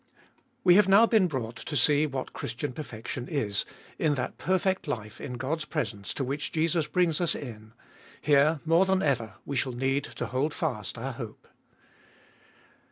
We have now been brought to see what Christian perfection is, in that perfect life in God's presence to which Jesus brings us in : here, more than ever, we shall need to hold fast our hope.